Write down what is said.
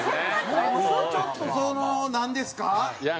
もうちょっとそのなんですか。